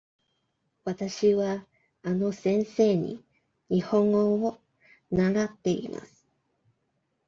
わたしはあの先生に日本語を習っています。